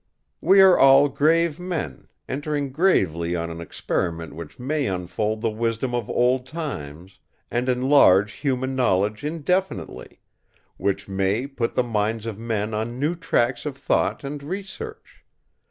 We are all grave men, entering gravely on an experiment which may unfold the wisdom of old times, and enlarge human knowledge indefinitely; which may put the minds of men on new tracks of thought and research.